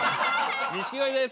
錦鯉です。